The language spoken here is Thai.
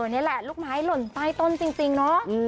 นี่แหละลูกไม้หล่นใต้ต้นจริงเนาะ